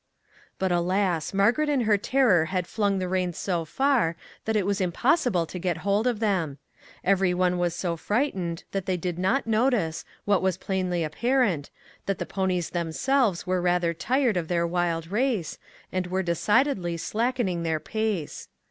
But, alas! Margaret in her terror had flung the reins so far that it was impossible to get hold of them. Every one was so frightened that they did not notice, what was plainly ap parent, that the ponies themselves were rather tired of their wild race, and were decidedly slackening their pace.